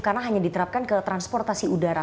karena hanya diterapkan ke transportasi udara